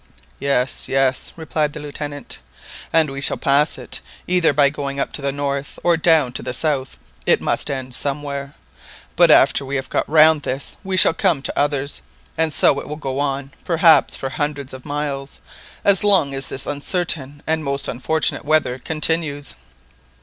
"Yes, yes," replied the Lieutenant, "and we shall pass it, either by going up to the north, or down to the south, it must end somewhere. But after we have got round this we shall come to others, and so it will go on perhaps for hundred of miles, as long as this uncertain and most unfortunate weather continues!"